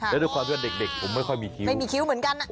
และด้วยความที่ว่าเด็กผมไม่ค่อยมีคิ้วไม่มีคิ้วเหมือนกัน